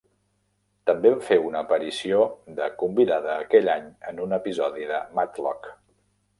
També va fer una aparició de convidada aquell any en un episodi de "Matlock".